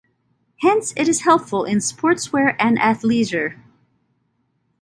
Hence it is helpful in sportswear and athleisure.